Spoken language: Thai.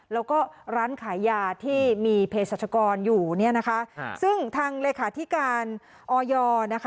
แล้วก็ร้านขายยาที่มีเพศรัชกรอยู่เนี่ยนะคะซึ่งทางเลขาธิการออยนะคะ